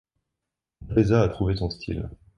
Drésa a trouvé son style.